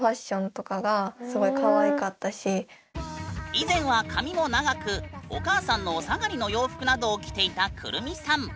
以前はお母さんのお下がりの洋服などを着ていたくるみさん。